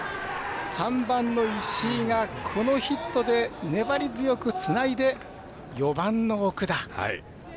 ３番の石井がヒットで粘り強くつないで４番の奥田。